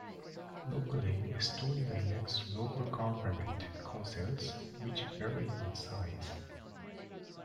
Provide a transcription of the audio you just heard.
Locally, Estonia elects local government councils, which vary in size.